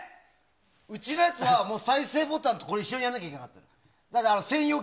うちのやつは再生ボタンと一緒にやらないとだめだったの。